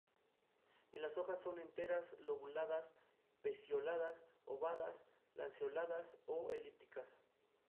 Las hojas son enteras o lobuladas, pecioladas, ovadas, lanceoladas o elípticas.